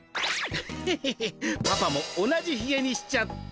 ヘヘヘッパパも同じひげにしちゃった。